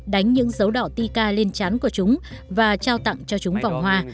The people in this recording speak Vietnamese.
đánh những dấu đỏ tika lên chán của chúng và trao tặng cho chúng vòng hoa